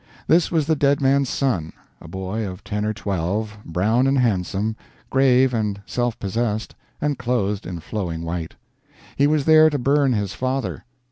This was the dead man's son, a boy of ten or twelve, brown and handsome, grave and self possessed, and clothed in flowing white. He was there to burn his father.